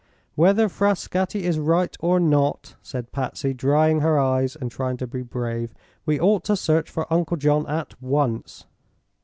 "Whether Frascatti is right or not," said Patsy, drying her eyes and trying to be brave, "we ought to search for Uncle John at once."